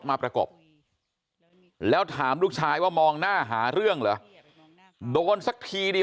ประกบแล้วถามลูกชายว่ามองหน้าหาเรื่องเหรอโดนสักทีดี